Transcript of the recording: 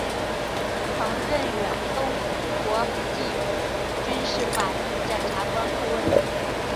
曾任远东国际军事法庭检察官顾问。